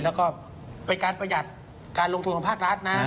แล้วก็เป็นการประหยัดการลงทุนของภาครัฐนะ